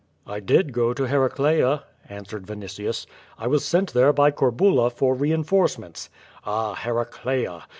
"I did go to Ilcraclca," answered Vinitius. "I was sent there by Corbula for reinforcements/' "Ah, Heraclea!